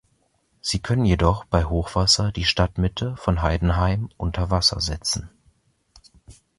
Sie können jedoch bei Hochwasser die Stadtmitte von Heidenheim unter Wasser setzen.